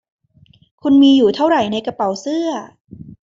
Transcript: คุณมีอยู่เท่าไรในกระเป๋าเสื้อ